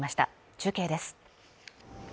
中継です